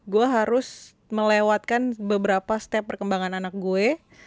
gue harus melewatkan beberapa step perkembangan anak gue